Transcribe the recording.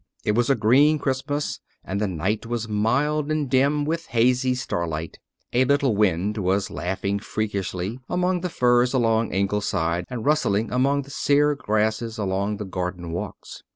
It was a green Christmas, and the night was mild and dim, with hazy starlight. A little wind was laughing freakishly among the firs around Ingleside and rustling among the sere grasses along the garden walks.